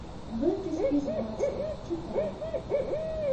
Гэты спіс бачылі, чыталі.